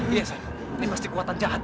ini pasti kuatan jahat